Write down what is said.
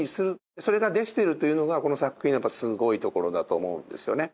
それができているというのがこの作品のすごいところだと思うんですよね。